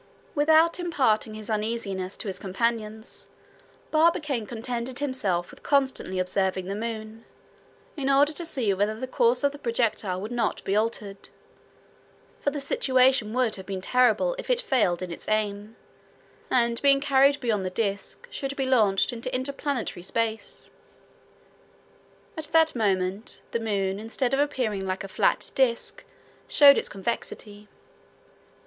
Without imparting his uneasiness to his companions, Barbicane contented himself with constantly observing the moon, in order to see whether the course of the projectile would not be altered; for the situation would have been terrible if it failed in its aim, and being carried beyond the disc should be launched into interplanetary space. At that moment, the moon, instead of appearing flat like a disc, showed its convexity.